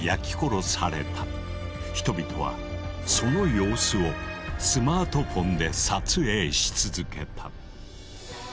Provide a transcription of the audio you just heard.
人々はその様子をスマートフォンで撮影し続けた。